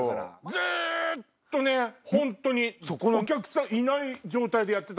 ずっとねホントにお客さんいない状態でやってたのよ。